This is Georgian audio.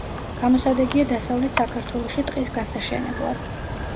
გამოსადეგია დასავლეთ საქართველოში ტყის გასაშენებლად.